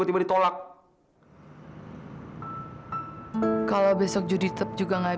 eh winona ada di situ gak ya